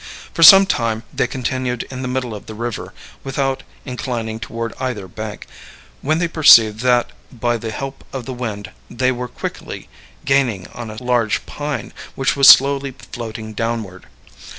For some time they continued in the middle of the river, without inclining toward either bank, when they perceived that, by the help of the wind, they were quickly gaining on a large pine, which was slowly floating downward.